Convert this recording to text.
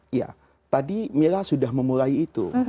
iya tadi mila sudah memulai itu